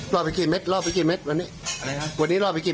รอไปกี่เม็ดรอไปกี่เม็ดวันนี้